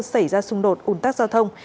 xảy ra xung đột un tắc giao thông